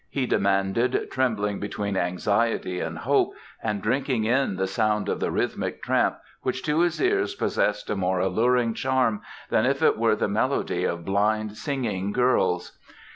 he demanded, trembling between anxiety and hope, and drinking in the sound of the rhythmic tramp which to his ears possessed a more alluring charm than if it were the melody of blind singing girls.